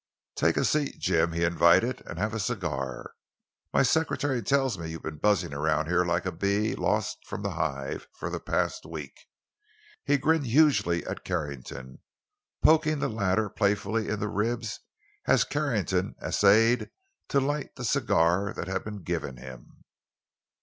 "Take a seat, Jim," he invited, "and have a cigar. My secretary tells me you've been buzzing around here like a bee lost from the hive, for the past week." He grinned hugely at Carrington, poking the latter playfully in the ribs as Carrington essayed to light the cigar that had been given him.